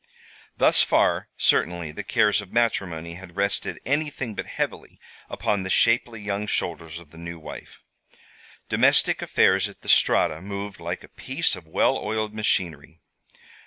Thus far, certainly, the cares of matrimony had rested anything but heavily upon the shapely young shoulders of the new wife. Domestic affairs at the Strata moved like a piece of well oiled machinery.